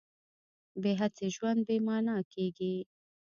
بې هڅې ژوند بې مانا کېږي.